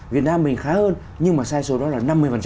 việt nam mình khá hơn nhưng mà sai số đó là năm mươi